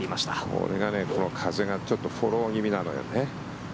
これが、この風がちょっとフォロー気味なのよね。